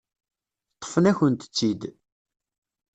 Ṭṭfen-akent-tt-id.